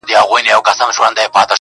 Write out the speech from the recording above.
o يو بيده بل بيده نه سي ويښولاى!